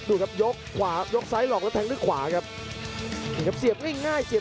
ดูครับยกขวายกซ้ายหลอกแล้วแทงด้วยขวาครับนี่ครับเสียบง่ายง่ายเสียบ